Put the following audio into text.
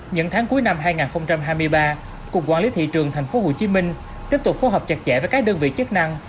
những tháng cuối năm hai nghìn hai mươi ba cục quản lý thị trường thành phố hồ chí minh tiếp tục phối hợp chặt chẽ với các đơn vị chức năng